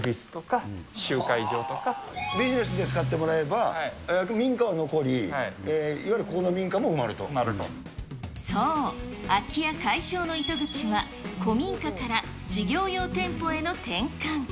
ビジネスで使ってもらえば、民家は残り、そう、空き家解消の糸口は、古民家から事業用店舗への転換。